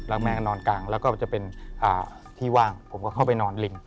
แล้วแม่ก็นอนกลางแล้วก็จะเป็นที่ว่างผมก็เข้าไปนอนลิง